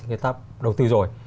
người ta đầu tư rồi